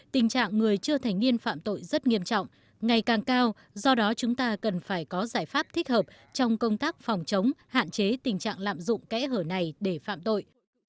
tình trạng người chưa thành niên phạm tội rất nghiêm trọng ngày càng cao do đó chúng ta cần phải có giải pháp thích hợp trong công tác phòng chống hạn chế tình trạng lạm dụng kẽ hở này để phạm tội